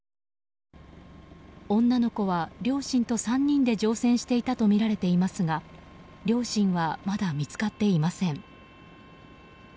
女の子は両親と３人で乗船していたとみられますが両親はまだ見つかっていません。